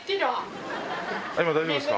今、大丈夫ですか？